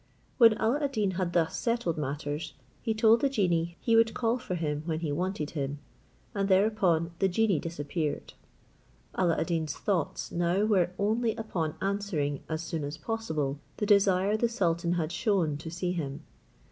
When Alla ad Deen had thus settled matters, he told the genie he would call for him when he wanted him, and thereupon the genie disappeared. Alla ad Deen's thoughts now were only upon answering, as soon as possible, the desire the sultan had shown to see him.